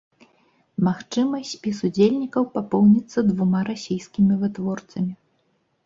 Магчыма, спіс удзельнікаў папоўніцца двума расійскімі вытворцамі.